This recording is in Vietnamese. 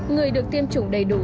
người được tiêm chủng đầy đủ